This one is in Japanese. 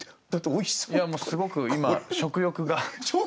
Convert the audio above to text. いやもうすごく今食欲が。